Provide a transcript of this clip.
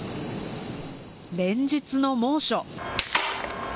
連日の猛暑。